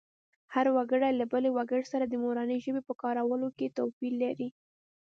هر وګړی له بل وګړي سره د مورنۍ ژبې په کارولو کې توپیر لري